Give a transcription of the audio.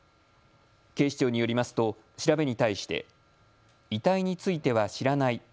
警視庁によりますと調べに対して遺体については知らない。